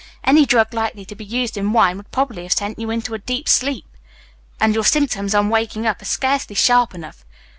Any drug likely to be used in wine would probably have sent you into a deep sleep. And your symptoms on waking up are scarcely sharp enough.